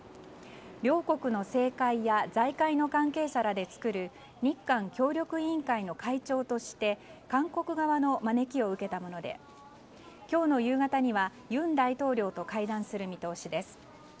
両国の政界や財界の関係者らで作る日韓協力委員会の会長として韓国側の招きを受けたもので今日の夕方には尹大統領と会談する見通しです。